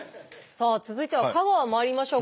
さあ続いては香川まいりましょう。